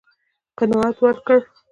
قناعت ورکړ.